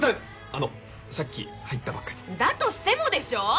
あのさっき入ったばっかでだとしてもでしょ！